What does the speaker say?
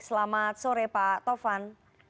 selamat sore pak tovan